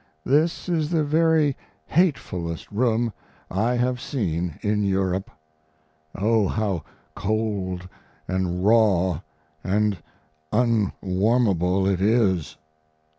This is the very hatefulest room I have seen in Europe. Oh, how cold and raw and unwarmable it is!